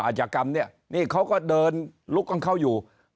อาจกรรมเนี่ยนี่เขาก็เดินลุกของเขาอยู่